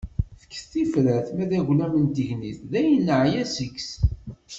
Fket-d tifrat... ma d aglam n tegnit, dayen neɛya seg-s.